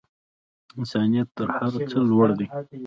انسانیت تر هر څه لوړ دی.